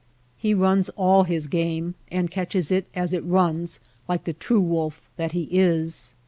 He runs all his game and catches it as it runs like the true wolf that he is.